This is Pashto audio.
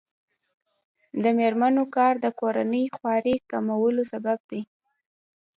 د میرمنو کار د کورنۍ خوارۍ کمولو سبب دی.